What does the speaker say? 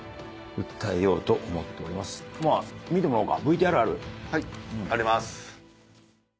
まあ見てもらおうか。